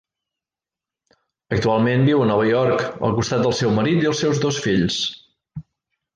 Actualment, viu a Nova York al costat del seu marit i els seus dos fills.